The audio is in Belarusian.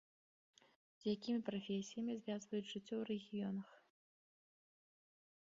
З якімі прафесіямі звязваюць жыццё ў рэгіёнах.